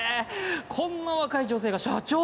こんな若い女性が社長？